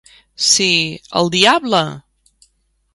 Si...el diable!